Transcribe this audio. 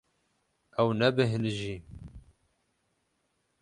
Ew nebêhnijî.